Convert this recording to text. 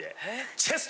チェスト！